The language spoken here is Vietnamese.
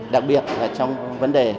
đặc biệt là trong vấn đề